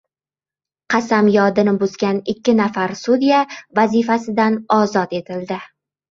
Qasamyodini buzgan ikki nafar sudya vazifasidan ozod etildi